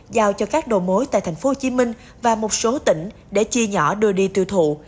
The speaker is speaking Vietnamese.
giao cho các đồ mối tại tp hcm và một số tỉnh để chia nhỏ đưa đi tiêu thụ